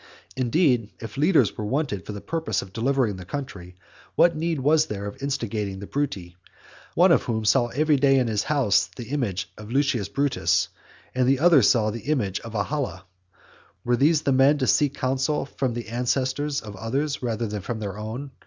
Indeed, if leaders were wanted for the purpose of delivering the country, what need was there of my instigating the Bruti, one of whom saw every day in his house the image of Lucius Brutus, and the other saw also the image of Ahala? Were these the men to seek counsel from the ancestors of others rather than from their own?